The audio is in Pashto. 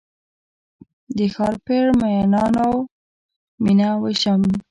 د ښارپر میینانو میینه ویشم